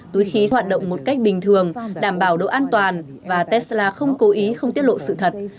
túi khí hoạt động một cách bình thường đảm bảo độ an toàn và tesla không cố ý không tiết lộ sự thật